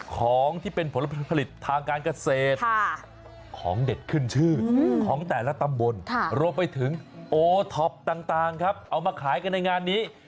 ของที่เป็นผลผลิตทางการเกษตรของเด็ดขึ้นชื่อของแต่ละตำบลรวมไปถึงโอท็อปต่างครับเอามาขายกันในงานนี้